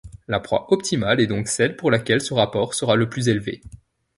La proie optimale est donc celle pour laquelle ce rapport sera le plus élevé.